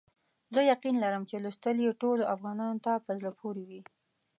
زه یقین لرم چې لوستل یې ټولو افغانانو ته په زړه پوري وي.